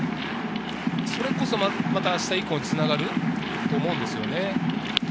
それこそ明日以降に繋がると思うんですよね。